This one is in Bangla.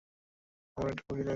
আমার একটা কফি লাগবে।